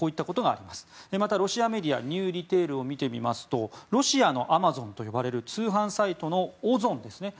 またロシアメディアニュー・リテールを見てみますとロシアのアマゾンと呼ばれる通販サイトのオゾンですね。